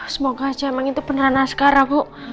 semoga aja emang itu peneran askara bu